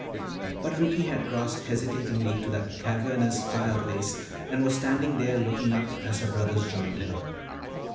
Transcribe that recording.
But Ricky had crossed hesitatingly to that cavernous fireplace and was standing there looking up as her brothers joined her.